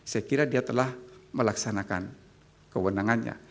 saya kira dia telah melaksanakan kewenangannya